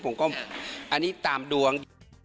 ผมก็อันนี้ตามดวง